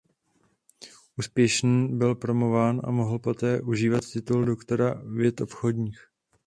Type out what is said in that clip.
Úspěšný byl promován a mohl poté užívat titul doktora věd obchodních.